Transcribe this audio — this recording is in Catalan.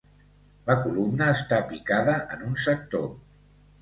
La columna està picada en un sector.